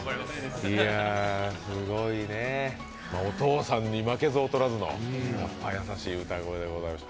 お父さんに負けず劣らずの優しい歌声でございました。